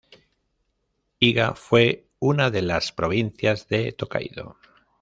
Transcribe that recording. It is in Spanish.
Iga fue una de las provincias de Tōkaidō.